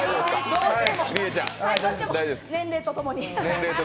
どうしても年齢と共に。